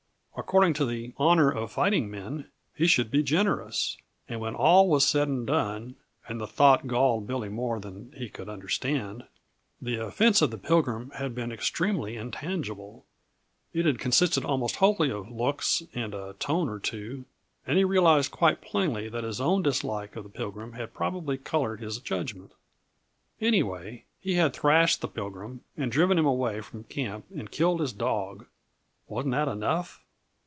According to the honor of fighting men, he should be generous. And when all was said and done and the thought galled Billy more than he could understand the offense of the Pilgrim had been extremely intangible; it had consisted almost wholly of looks and a tone or two, and he realized quite plainly that his own dislike of the Pilgrim had probably colored his judgment. Anyway, he had thrashed the Pilgrim and driven him away from camp and killed his dog. Wasn't that enough?